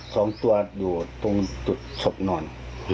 สองตัวอยู่ตรงจุดศพนอน